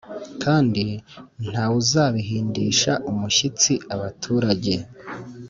kandi nta wuzabihindisha umushyitsiabaturage